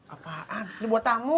apaan ini buat tamu